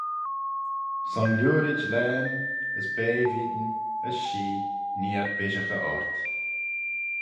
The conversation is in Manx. Son lhiurid laghyn, as bea veayn, as shee, nee ad bishaghey ort.